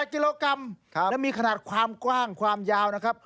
กิโลกรัมและมีขนาดความกว้างความยาวนะครับ